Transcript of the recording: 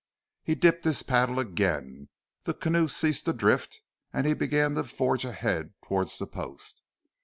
He dipped his paddle again. The canoe ceased to drift and began to forge ahead towards the post.